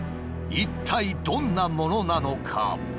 一体どんなものなのか？